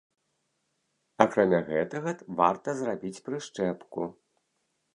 Акрамя гэтага варта зрабіць прышчэпку.